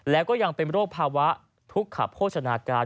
แล้วก็ยังเป็นโรคภาวะทุกขโภชนาการ